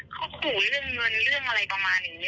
เขาขู่เรื่องเงินเรื่องอะไรประมาณอย่างนี้